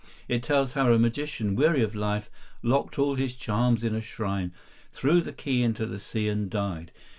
It tells how a magician, weary of life, locked all his charms in a shrine, threw the key into the sea, and died.